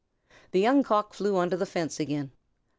The Young Cock flew onto the fence again.